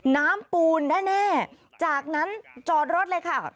ปูนแน่จากนั้นจอดรถเลยค่ะ